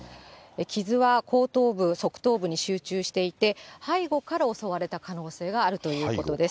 傷は後頭部、側頭部に集中していて、背後から襲われた可能性があるということです。